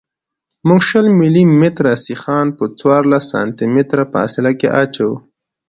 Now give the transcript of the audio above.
موږ شل ملي متره سیخان په څوارلس سانتي متره فاصله کې اچوو